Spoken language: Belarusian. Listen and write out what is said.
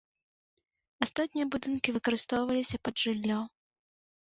Астатнія будынкі выкарыстоўваліся пад жыллё.